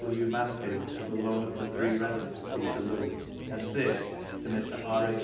W. Manfield, for the loan of the three Relics of Peterloo; aqd (6) to Mr. R. H.